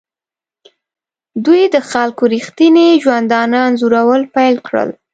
دوی د خلکو ریښتیني ژوندانه انځورول پیل کړل.